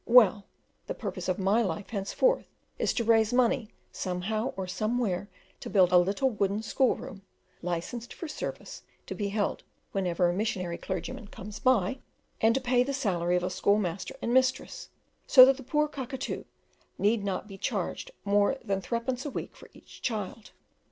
Well, the purpose of my life henceforward is to raise money somehow or somewhere to build a little wooden school room (licensed for service, to be held whenever a missionary clergyman comes by), and to pay the salary of a schoolmaster and mistress, so that the poor Cockatoo need not be charged more than threepence a week for each child.